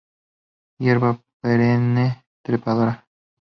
Hierba perenne trepadora.